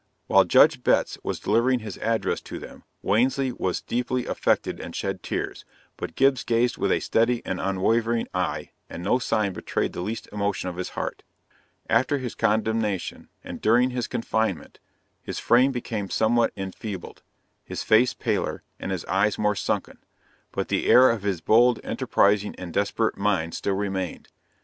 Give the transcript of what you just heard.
While Judge Betts was delivering his address to them, Wansley was deeply affected and shed tears but Gibbs gazed with a steady and unwavering eye, and no sign betrayed the least emotion of his heart. After his condemnation, and during his confinement, his frame became somewhat enfeebled, his face paler, and his eyes more sunken; but the air of his bold, enterprising and desperate mind still remained.